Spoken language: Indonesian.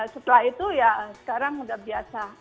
setelah itu ya sekarang udah biasa